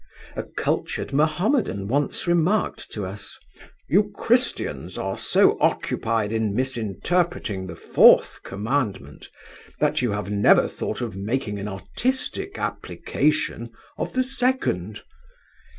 A cultured Mahomedan once remarked to us, "You Christians are so occupied in misinterpreting the fourth commandment that you have never thought of making an artistic application of the second."